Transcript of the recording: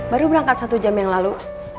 baru berangkat satu jam yang lalu